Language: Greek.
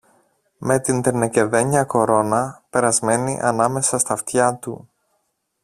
με την τενεκεδένια κορώνα περασμένη ανάμεσα στ' αυτιά του